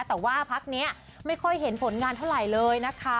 แต่ว่าพักนี้ไม่ค่อยเห็นผลงานเท่าไหร่เลยนะคะ